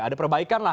ada perbaikan lah